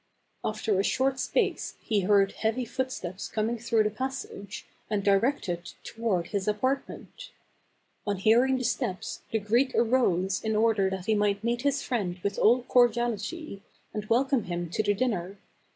After a short space he heard heavy footsteps coming through the passage, and directed toward his apartment. On hearing the steps the Greek arose in order that he might meet his friend with all cordi ality, and welcome him to the din ner.